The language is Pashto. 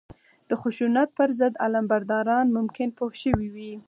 د خشونت پر ضد علمبرداران ممکن پوه شوي وي